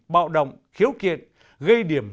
bạo động khiếu kiện gây điểm